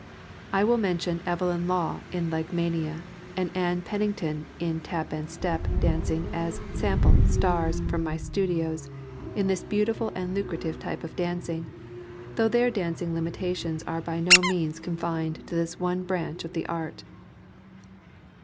I will mention Evelyn Law in "Legmania" and Ann Pennington in "Tap and Step" dancing as "sample" stars from my studios in this beautiful and lucrative type of dancing, though their dancing limitations are by no means confined to this one branch of the art.